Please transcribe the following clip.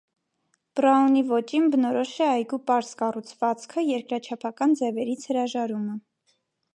Բրաունի ոճին բնորոշ է այգու պարզ կառուցվածքը, երկրաչափական ձևերից հրաժարումը։